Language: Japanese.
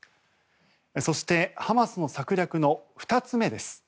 そして、ハマスの策略の２つ目です。